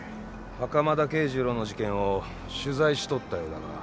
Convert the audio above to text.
袴田啓二郎の事件を取材しとったようだが。